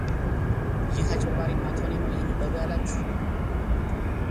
ይህ አጭበርባሪ ማቶኒ ነው ይህንን በሉ ያላችሁ፡፡